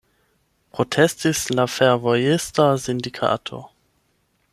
Protestis la fervojista sindikato.